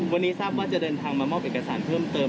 วันนี้ทราบว่าจะเดินทางมามอบเอกสารเพิ่มเติม